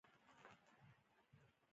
د پاچاهانو، اشرافو او ځمکوالو په بیه و